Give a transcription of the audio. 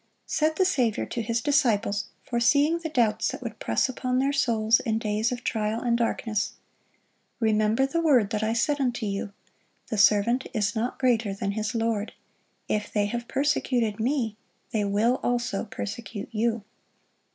Said the Saviour to His disciples, foreseeing the doubts that would press upon their souls in days of trial and darkness: "Remember the word that I said unto you, The servant is not greater than his lord. If they have persecuted Me, they will also persecute you."